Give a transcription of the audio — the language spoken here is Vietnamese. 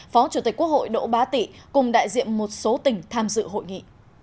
phó chủ tịch quốc hội đỗ bá tị cùng đại diện một số tỉnh tham dự hội nghị